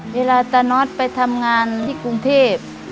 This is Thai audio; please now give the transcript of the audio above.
เวลาตาน็อตไปทำงานที่กรุงเทพ